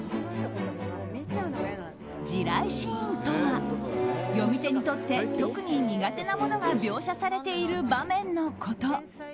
地雷シーンとは読み手にとって特に苦手なものが描写されている場面のこと。